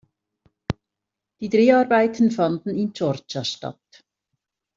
Die Dreharbeiten fanden in Georgia statt.